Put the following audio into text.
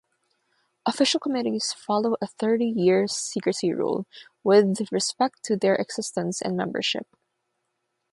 Official committees follow a thirty-year secrecy rule with respect to their existence and membership.